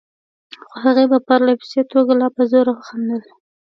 خو هغې په پرله پسې توګه لا په زوره خندل.